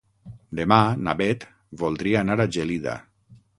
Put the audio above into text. Demà na Bet voldria anar a Gelida.